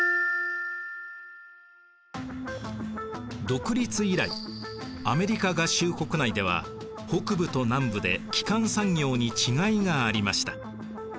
独立以来アメリカ合衆国内では北部と南部で基幹産業に違いがありました。